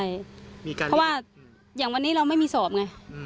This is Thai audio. มีการเลี่ยงเพราะว่าอย่างวันนี้เราไม่มีสอบไงอืม